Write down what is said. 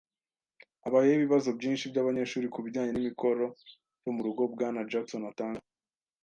Habayeho ibibazo byinshi by’abanyeshuri ku bijyanye n’imikoro yo mu rugo Bwana Jackson atanga